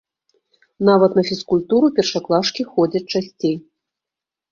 Нават на фізкультуру першаклашкі ходзяць часцей.